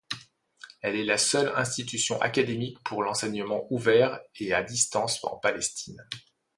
Elle est la seule institution académique pour l’enseignement ouvert et à distance en Palestine.